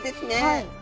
はい。